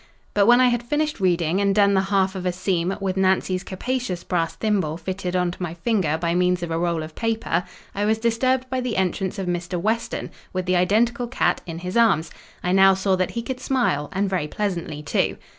But when I had finished reading, and done the half of a seam, with Nancy's capacious brass thimble fitted on to my finger by means of a roll of paper, I was disturbed by the entrance of Mr. Weston, with the identical cat in his arms. I now saw that he could smile, and very pleasantly too.